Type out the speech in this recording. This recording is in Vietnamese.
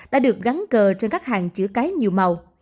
đã được gắn cờ trên các hàng chữa cái nhiều màu